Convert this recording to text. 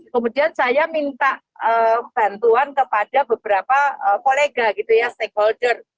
kemudian saya minta bantuan kepada beberapa kolega gitu ya stakeholder